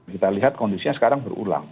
kita lihat kondisinya sekarang berulang